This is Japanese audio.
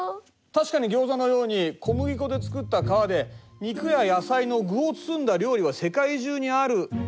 確かにギョーザのように小麦粉で作った皮で肉や野菜の具を包んだ料理は世界中にある。